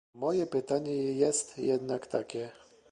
Moje pytanie jest jednak takie